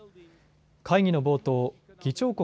会議の冒頭、議長国